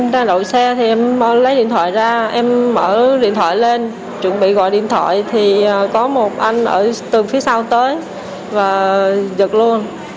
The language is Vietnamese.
đang đậu xe thì em lấy điện thoại ra em mở điện thoại lên chuẩn bị gọi điện thoại thì có một anh ở tường phía sau tới và giật luôn